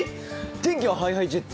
天気がＨｉＨｉＪｅｔｓ？